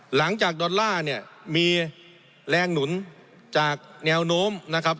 ดอลลาร์เนี่ยมีแรงหนุนจากแนวโน้มนะครับ